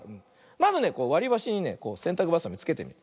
まずねわりばしにねせんたくばさみつけてみる。